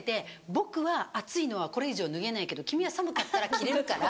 「僕は暑いのはこれ以上脱げないけど君は寒かったら着れるから」。